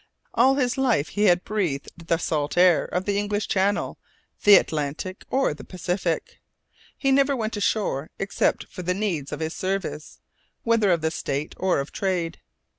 All his life he had breathed the salt air of the English Channel, the Atlantic, or the Pacific. He never went ashore except for the needs of his service, whether of the State or of trade.